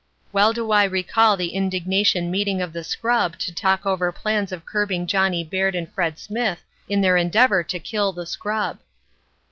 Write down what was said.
"Well do I recall the indignation meeting of the scrub to talk over plans of curbing Johnny Baird and Fred Smith in their endeavor to kill the scrub."